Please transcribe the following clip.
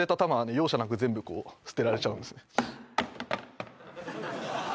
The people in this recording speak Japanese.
容赦なく全部こう捨てられちゃうんですね